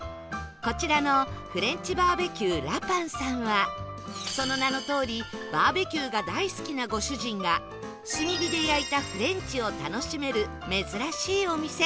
こちらの ＦｒｅｎｃｈＢ．Ｂ．ＱＬａｐｉｎ さんはその名のとおりバーベキューが大好きなご主人が炭火で焼いたフレンチを楽しめる珍しいお店